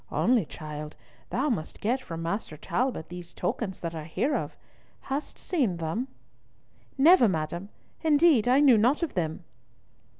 Only, child, thou must get from Master Talbot these tokens that I hear of. Hast seen them?" "Never, madam; indeed I knew not of them."